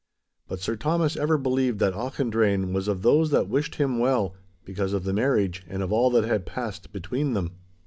But Sir Thomas ever believed that Auchendrayne was of those that wished him well, because of the marriage and of all that had passed between them.